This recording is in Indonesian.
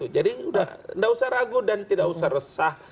jadi nggak usah ragu dan tidak usah resah